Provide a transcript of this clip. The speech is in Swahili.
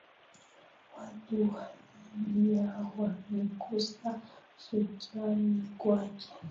watu wa libya wamekosa shukrani kwake